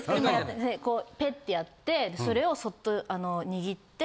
こうペッてやってそれをそっとあの握って。